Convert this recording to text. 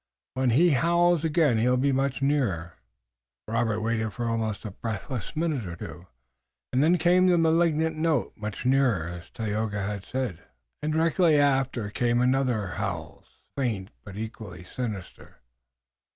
"When he howls again he will be much nearer." Robert waited for an almost breathless minute or two, and then came the malignant note, much nearer, as Tayoga had predicted, and directly after came other howls, faint but equally sinister.